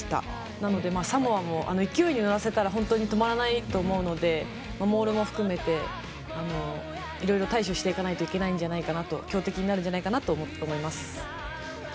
なので、サモアも勢いにのらせたら本当に止まらないと思うのでモールも含めていろいろ対処していかないといけないんじゃないかなと強敵になるんじゃないかなと思います。